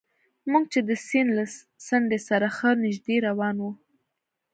موږ چې د سیند له څنډې سره ښه نژدې روان وو.